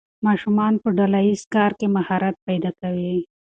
ماشومان په ډله ییز کار کې مهارت پیدا کوي.